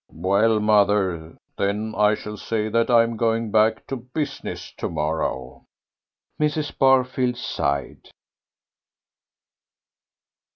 "Well, mother, then I shall say that I'm going back to business to morrow." Mrs. Barfield sighed.